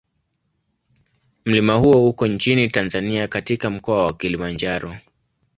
Mlima huo uko nchini Tanzania katika Mkoa wa Kilimanjaro.